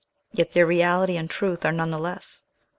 Yet their reality and truth are none the less.